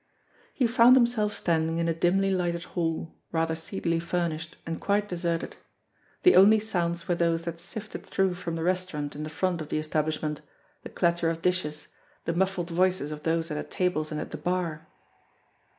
He found himself standing in a dimly lighted hall, rather seedily furnished, and quite deserted. The only sounds were those that sifted through from the restaurant in the front of the establishment, the clatter of dishes, the muffled voices of those at the tables and at the bar.